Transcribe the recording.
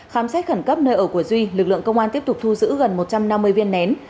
khám xét khẩn cấp nơi ở của duy lực lượng công an tiếp tục thu giữ gần một trăm năm mươi viên nén